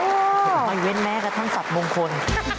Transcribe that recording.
เห็นมันเว้นแม่กับทั้งศัพท์มงคล